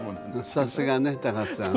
さすがね高瀬さん。